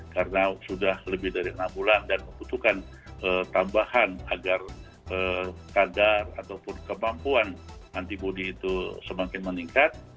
karena sudah lebih dari enam bulan dan membutuhkan tambahan agar kadar ataupun kemampuan antibody itu semakin meningkat